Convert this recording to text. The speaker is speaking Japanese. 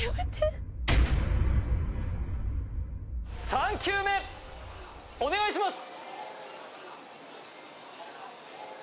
３球目お願いします！